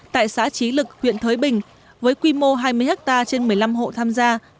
tại xã trí lực huyện thới bình với quy mô hai mươi hectare trên một mươi năm hộ tham gia